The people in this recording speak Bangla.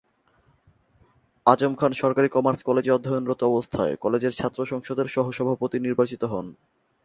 আযম খান সরকারি কমার্স কলেজে অধ্যয়নরত অবস্থায় কলেজের ছাত্র সংসদের সহ-সভাপতি নির্বাচিত হন।